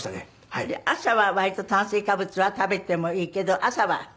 朝は割と炭水化物は食べてもいいけど朝は。